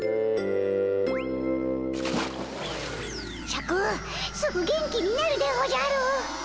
シャクすぐ元気になるでおじゃる。